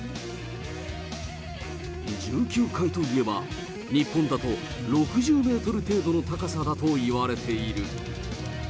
１９階といえば、日本だと６０メートル程度の高さだといわれている。